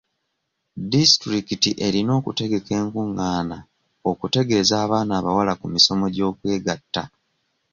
Disitulikiti erina okutegeka enkungaana okutegeeza abaana abawala ku misomo gy'okwegatta.